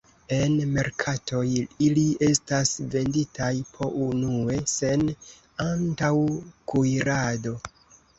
En merkatoj, ili estas venditaj po unue, sen antaŭ-kuirado.